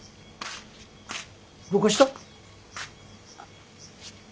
どうかした？